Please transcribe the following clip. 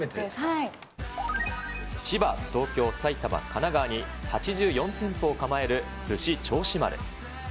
千葉、東京、埼玉、神奈川に８４店舗を構えるすし銚子丸。